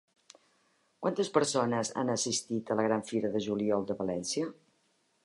Quantes persones han assistit a la Gran Fira de Juliol de València?